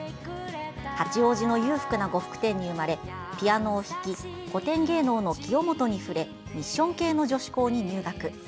八王子の裕福な呉服店に生まれピアノを弾き古典芸能の清元に触れミッション系の女子校に入学。